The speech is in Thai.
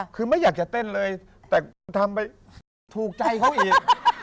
คือไม่อยากจะเต้นเลยแต่คุณทำไปถูกใจเขาอีก